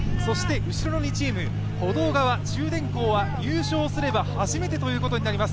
後ろの２チーム、歩道側の中電工は入賞すれば初めてということになります。